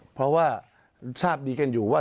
เพราะว่าทราบดีกันอยู่ว่า